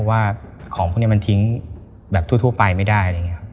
ว่าของพวกนี้มันทิ้งแบบทั่วไปไม่ได้